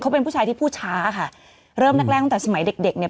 เขาเป็นผู้ชายที่พูดช้าค่ะเริ่มแรกแรกตั้งแต่สมัยเด็กเด็กเนี่ย